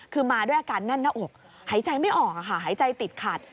คือมาด้วยอาการแน่นหน้าอกหายใจไม่ออกค่ะหายใจติดขัด